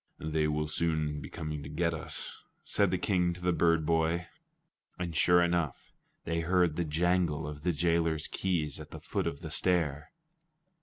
"They will soon be coming to get us," said the King to the bird boy. And sure enough, they heard the jangle of the jailer's keys at the foot of the stair.